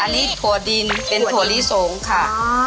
อันนี้ตัวดินเป็นทุวลิศงค่ะ